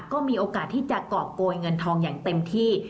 ก็มีโอกาสที่จะกรอบโกยเงินทองอย่างเต็มที่